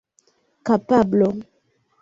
kapablo